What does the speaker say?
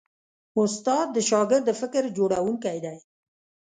استاد د شاګرد د فکر جوړوونکی دی.